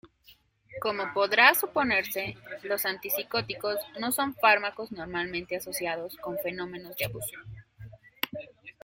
Como podrá suponerse, los antipsicóticos no son fármacos normalmente asociados con fenómenos de abuso.